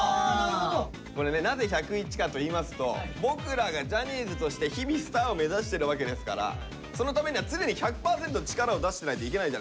これねなぜ１０１かといいますと僕らがジャニーズとして日々スターを目指してるわけですからそのためには常に１００％力を出してないといけないじゃないですか。